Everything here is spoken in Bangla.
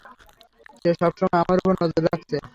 সে সবসময় আমার উপর নজর রাখছে।